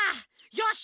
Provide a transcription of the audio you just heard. よし！